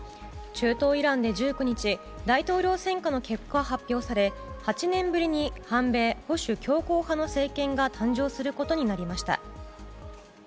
中東イランで１９日大統領選挙の結果が発表され８年ぶりに反米・保守強硬派の政権が誕生することになりました。